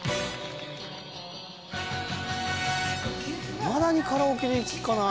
いまだにカラオケで聴かない？